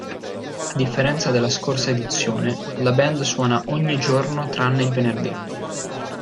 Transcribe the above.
A differenza della scorsa edizione la Band suona ogni giorno tranne il venerdì.